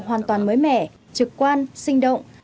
hoàn toàn mới mẻ trực quan sinh động